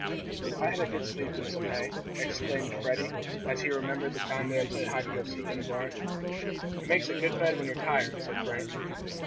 "I had a good sleep in some hay!" exclaimed Freddie, as he remembered the time they had played hide and go seek in the barn. "It makes a good bed when you're tired," said Frank.